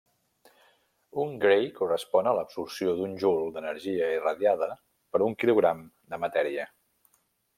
Un gray correspon a l'absorció d'un joule d'energia irradiada per un quilogram de matèria.